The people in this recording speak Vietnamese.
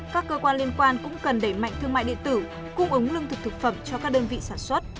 các cơ quan liên quan cũng cần đẩy mạnh thương mại điện tử cung ứng lương thực thực phẩm cho các đơn vị sản xuất